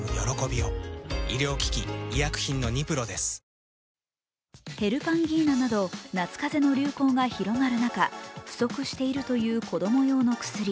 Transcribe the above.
更に大正製薬ではヘルパンギーナなど夏風邪の流行が広がる中、不足しているという子供用の薬。